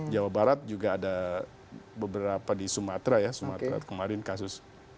jawa barat juga ada beberapa di sumatera ya sumatera kemarin kasus